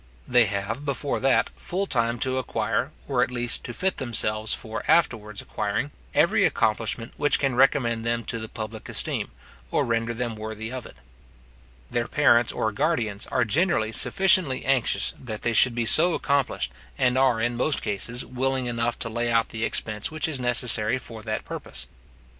They have, before that, full time to acquire, or at least to fit themselves for afterwards acquiring, every accomplishment which can recommend them to the public esteem, or render them worthy of it. Their parents or guardians are generally sufficiently anxious that they should be so accomplished, and are in most cases, willing enough to lay out the expense which is necessary for that purpose.